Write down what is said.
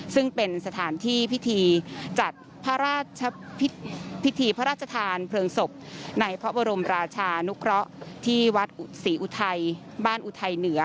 ซึ่งเป็นสถานที่พิธีจัดพระราชพิธีพระราชทานเพลิงศพในพระบรมราชานุเคราะห์ที่วัดศรีอุทัยบ้านอุทัยเหนือ